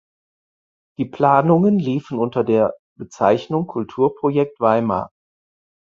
Die Planungen liefen unter der Bezeichnung „Kulturprojekt Weimar“.